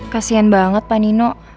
kasian banget pak nino